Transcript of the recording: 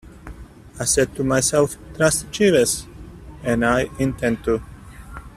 I said to myself 'Trust Jeeves,' and I intend to.